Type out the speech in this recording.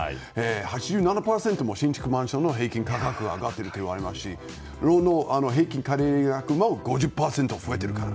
８７％も新築マンションの平均価格は上がっているといわれていますしローンの返金借入額も増えている。